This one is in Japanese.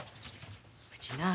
うちなあ